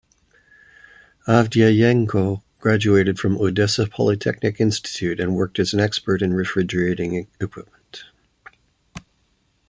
Avdyeyenko graduated from Odessa Polytechnic Institute and worked as an expert in refrigerating equipment.